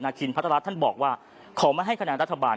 คินพัฒนาท่านบอกว่าขอไม่ให้คะแนนรัฐบาล